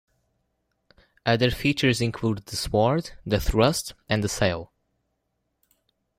Other features include "The Sword", "The Thrust", and "The Sail".